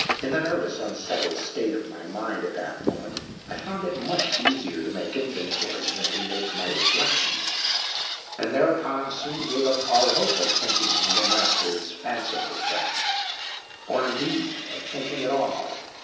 In the nervous unsettled state of my mind at that moment, I found it much easier to make my inventory than to make my reflections, and thereupon soon gave up all hope of thinking in Le Maistre's fanciful track or, indeed, of thinking at all.